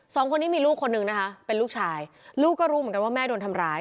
สองคนนี้มีลูกคนนึงนะคะเป็นลูกชายลูกก็รู้เหมือนกันว่าแม่โดนทำร้าย